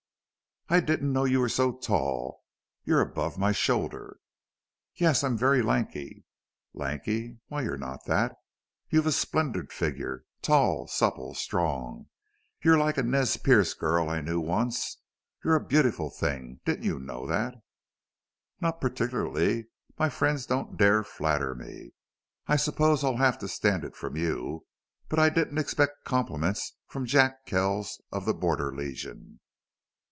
"I didn't know you were so tall. You're above my shoulder." "Yes, I'm very lanky." "Lanky! Why you're not that. You've a splendid figure tall, supple, strong; you're like a Nez Perce girl I knew once.... You're a beautiful thing. Didn't you know that?" "Not particularly. My friends don't dare flatter me. I suppose I'll have to stand it from you. But I didn't expect compliments from Jack Kells of the Border Legion."